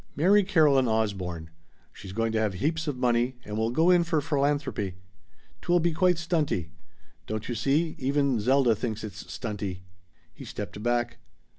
"Marry Caroline Osborne. She's going to have heaps of money and will go in for philanthropy. 'Twill be quite stunty. Don't you see, even Zelda thinks it stunty?" He stepped back.